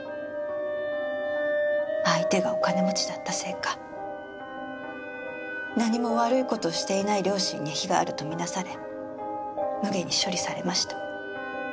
相手がお金持ちだったせいか何も悪い事していない両親に非があると見なされむげに処理されました。